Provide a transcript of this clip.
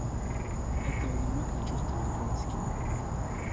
Этого не мог не чувствовать Вронский.